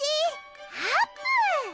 あーぷん！